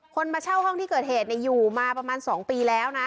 มาเช่าห้องที่เกิดเหตุอยู่มาประมาณ๒ปีแล้วนะ